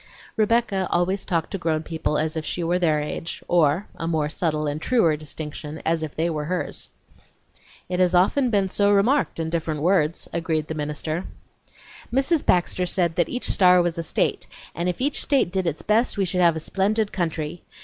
(Rebecca always talked to grown people as if she were their age, or, a more subtle and truer distinction, as if they were hers.) "It has often been so remarked, in different words," agreed the minister. "Mrs. Baxter said that each star was a state, and if each state did its best we should have a splendid country.